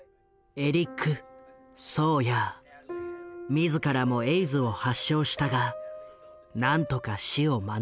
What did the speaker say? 自らもエイズを発症したがなんとか死を免れた。